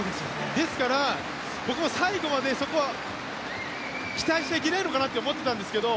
ですから、最後までそこは期待して、切れるのかな？と思ってたんですけど